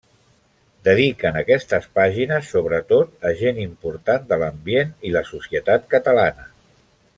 Dediquen aquestes pàgines, sobretot, a gent important de l'ambient i la societat catalana.